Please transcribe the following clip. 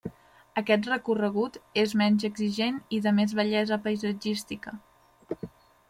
Aquest recorregut és menys exigent i de més bellesa paisatgística.